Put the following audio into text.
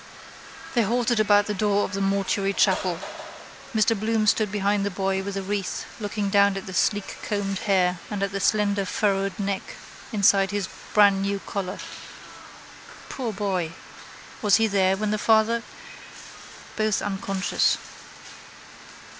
They halted about the door of the mortuary chapel. Mr Bloom stood behind the boy with the wreath looking down at his sleekcombed hair and at the slender furrowed neck inside his brandnew collar. Poor boy! Was he there when the father? Both unconscious.